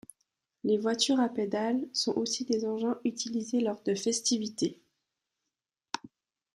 Les voitures à pédales sont aussi des engins utilisés lors de festivités.